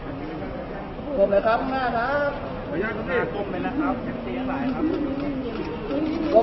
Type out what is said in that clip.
น้ำนาคารคศภาษีแล้วเมื่อไม่รอบเดินยาก